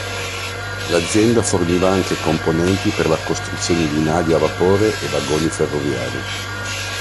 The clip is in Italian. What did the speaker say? L'azienda forniva anche componenti per la costruzione di navi a vapore e vagoni ferroviari.